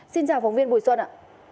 xin chào phóng viên bùi xuân ạ